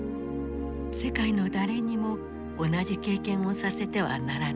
世界の誰にも同じ経験をさせてはならない。